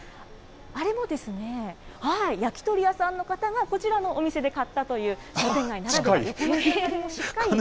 あれも焼き鳥屋さんの方が、こちらのお店で買ったという商店街ならではの。